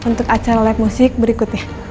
untuk acara live musik berikutnya